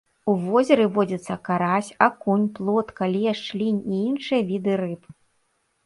У возеры водзяцца карась, акунь, плотка, лешч, лінь і іншыя віды рыб.